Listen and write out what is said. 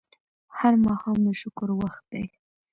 هر ماښام د شکر وخت دی